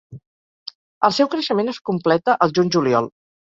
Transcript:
El seu creixement es completa al juny-juliol.